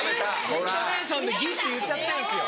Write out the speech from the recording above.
イントネーションで「ぎ」って言っちゃってんですよ。